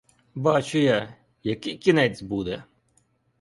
Бачу я, який кінець буде!